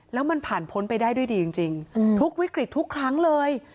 แล้วมันผ่านพ้นไปได้ด้วยดีจริงทุกวิกฤตทุกครั้งเลย